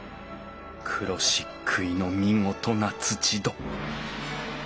黒漆喰の見事な土扉